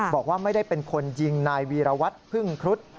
บอกว่าไม่ได้เป็นคนยิงนายวีรวัตรพึ่งครุฑ